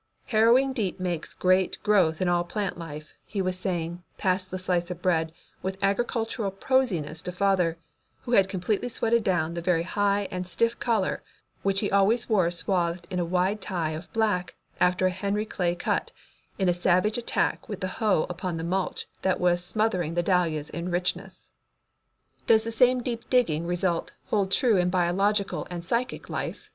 "Harrowing deep makes great growth in all plant life," he was saying past the slice of bread with agricultural prosiness to father, who had completely sweated down the very high and stiff collar which he always wore swathed in a wide tie of black after a Henry Clay cut, in a savage attack with the hoe upon the mulch that was smothering the dahlias in richness. "Does the same deep digging result hold true in biological and psychic life?"